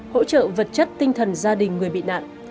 hỗ trợ vật chất tinh thần gia đình người bị nạn